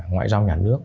ngoại giao nhà nước